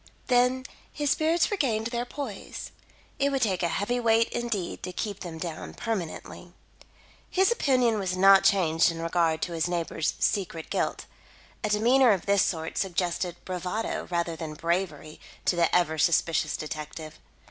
Then his spirits regained their poise. It would take a heavy weight indeed to keep them down permanently. His opinion was not changed in regard to his neighbour's secret guilt. A demeanour of this sort suggested bravado rather than bravery to the ever suspicious detective.